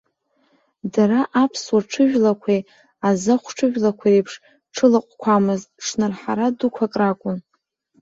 Дара аԥсуа ҽыжәлақәеи азахә ҽыжәлақәеи реиԥш ҽылаҟәқәамызт, ҽнырҳара дуқәак ракәын.